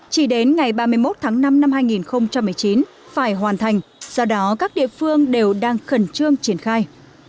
chỉ đến ngày ba mươi một tháng năm năm hai nghìn một mươi chín phải hoàn thành do đó các địa phương đều đang khẩn trương triển khai